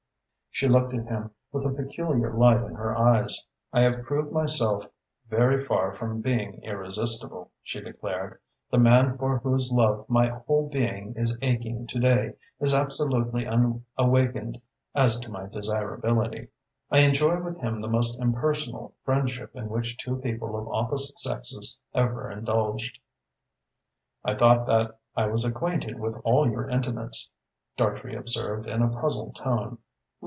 She looked at him with a peculiar light in her eyes. "I have proved myself very far from being irresistible," she declared. "The man for whose love my whole being is aching to day is absolutely unawakened as to my desirability. I enjoy with him the most impersonal friendship in which two people of opposite sexes ever indulged." "I thought that I was acquainted with all your intimates," Dartrey observed, in a puzzled tone.